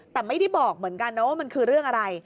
แต่ไม่ได้บอกเหมือนกันนะว่ามันคือเรื่องอะไร